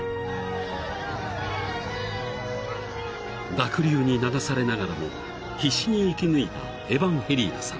［濁流に流されながらも必死に生き抜いたエバンヘリーナさん］